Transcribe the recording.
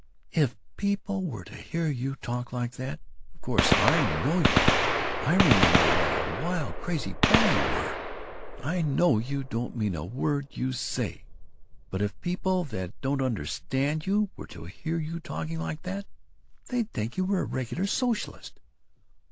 If people were to hear you talk like that of course I know you; I remember what a wild crazy boy you were; I know you don't mean a word you say but if people that didn't understand you were to hear you talking, they'd think you were a regular socialist!"